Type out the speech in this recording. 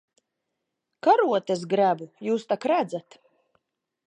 Karotes grebu. Jūs tak redzat.